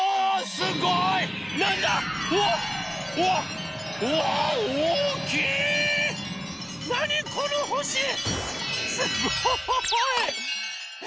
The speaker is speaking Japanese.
すごい！え？